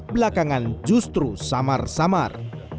belakangan justru samar samar